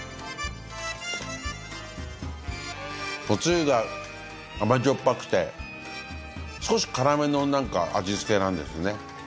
おつゆが甘じょっぱくて少し辛めの味付けなんですね。